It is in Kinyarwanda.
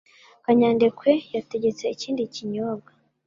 Kanyadekwe yategetse ikindi kinyobwa